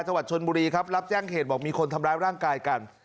จังหวัดชนบุรีครับรับแจ้งเหตุบอกมีคนทำร้ายร่างกายกัน